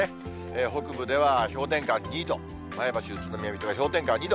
北部では氷点下２度、前橋、宇都宮、水戸は氷点下２度、